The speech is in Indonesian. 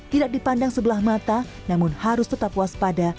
tidak dipandang sebelah mata namun harus tetap waspada